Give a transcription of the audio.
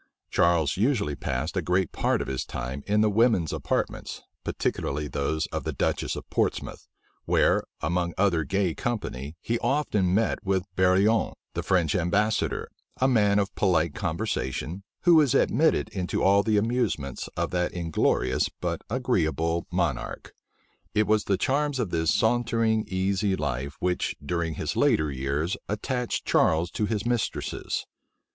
Charles usually passed a great part of his time in the women's apartments, particularly those of the duchess of Portsmouth; where, among other gay company, he often met with Barillon, the French ambassador, a man of polite conversation, who was admitted into all the amusements of that inglorious but agreeable monarch. It was the charms of this sauntering, easy life, which, during his later years, attached Charles to his mistresses.